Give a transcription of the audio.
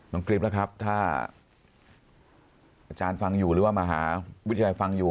น้องกิฟต์ล่ะครับถ้าอาจารย์ฟังอยู่หรือว่ามาหาวิทยาศาสตร์ฟังอยู่